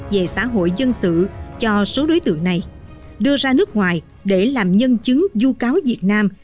về xã hội dân sự cho số đối tượng này đưa ra nước ngoài để làm nhân chứng vô cáo việt nam